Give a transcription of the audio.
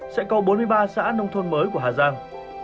sẽ có bốn mươi ba xã nông thôn mới của hà giang